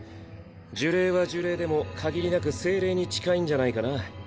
呪霊は呪霊でも限りなく精霊に近いんじゃないかな。